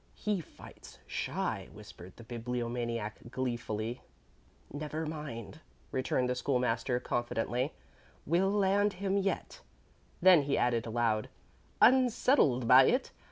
"He fights shy," whispered the Bibliomaniac, gleefully. "Never mind," returned the School master, confidently; "we'll land him yet." Then he added, aloud: "Unsettled by it?